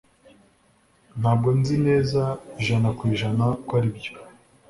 Ntabwo nzi neza ijana kwijana ko aribyo